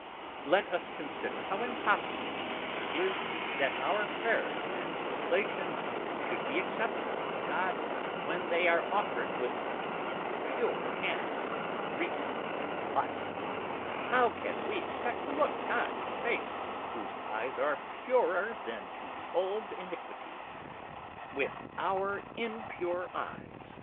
Let us consider how impossible it is that our Prayers and Oblations should be acceptable to God, when they are offered with impure hands, reeking in lust: How can we expect to look God in the face (whose eyes are purer then to behold iniquity) with our impure eyes?